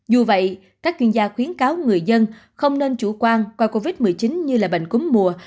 dù vậy các chuyên gia khuyến cáo người dân không nên chủ quan coi covid một mươi chín như là bệnh cúm mùa